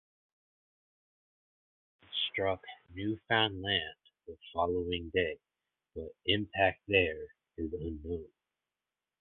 It struck Newfoundland the following day, but impact there is unknown.